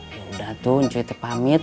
yaudah tuh cuy te pamit